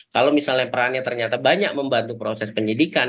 kalau misalnya perannya ternyata banyak membantu proses penyidikan